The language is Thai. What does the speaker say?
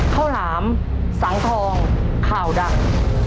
หลามสังทองข่าวดัง